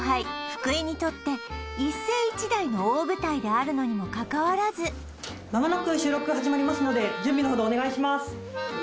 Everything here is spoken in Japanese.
福井にとって一世一代の大舞台であるのにもかかわらずまもなく収録始まりますので準備のほどお願いします